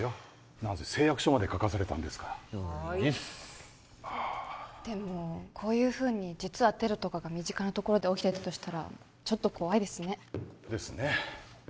なんせ誓約書まで書かされたんですからはーいっういっすでもこういうふうに実はテロとかが身近な所で起きてたとしたらちょっと怖いですねですね